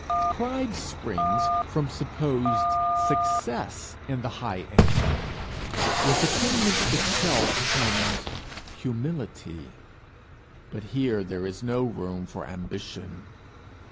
Pride springs from supposed success in the high aim: with attainment itself comes humility. But here there is no room for ambition.